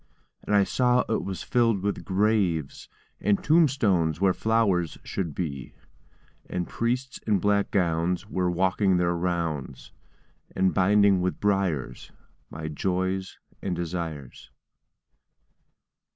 And I saw it was filled with graves, And tombstones where flowers should be; And priests in black gowns were walking their rounds, And binding with briars my joys and desires.